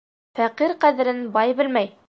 Фәҡир ҡәҙерен бай белмәй.